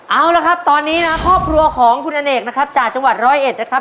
เอาละครับตอนนี้นะครับครอบครัวของคุณอเนกนะครับจากจังหวัดร้อยเอ็ดนะครับ